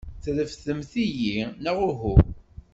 Trefdemt-iyi neɣ uhu?